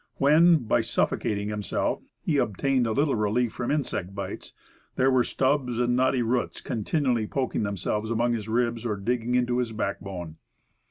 When, by suffocating himself, he obtained a little relief from insect bites, there were stubs and knotty roots continually poking themselves among his ribs, or digging into his backbone.